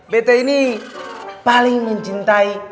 bete ini paling mencintai